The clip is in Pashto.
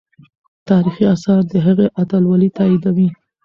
تاریخي آثار د هغې اتلولي تاییدوي.